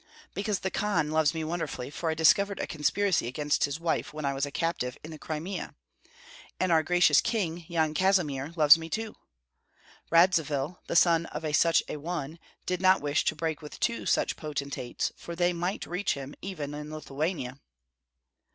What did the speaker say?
"Because the Khan loves me wonderfully, for I discovered a conspiracy against his life when I was a captive in the Crimea. And our gracious king, Yan Kazimir, loves me too. Radzivill, the son of a such a one, did not wish to break with two such potentates; for they might reach him, even in Lithuania."